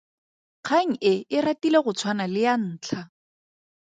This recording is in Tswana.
Kgang e e ratile go tshwana le ya ntlha.